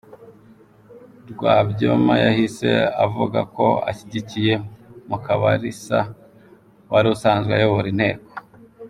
Rwabyoma yahise avuga ko ashyigikiye Mukabalisa wari usanzwe ayobora Inteko.